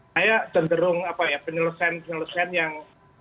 saya cenderung penyelesaian penyelesaian yang